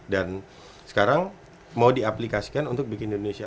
dan sekarang mau diaplikasikan untuk bikin indonesia